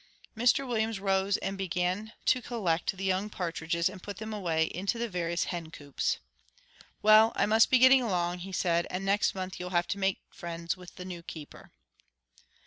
'" Mr Williams rose and began to collect the young partridges, and put them away into the various hen coops. "Well, I must be getting along," he said, "and next month you'll have to make friends with a new keeper."